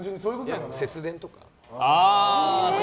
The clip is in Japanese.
節電とか。